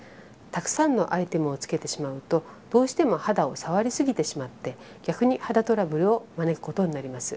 たくさんのアイテムをつけてしまうとどうしても肌を触りすぎてしまって逆に肌トラブルを招くことになります。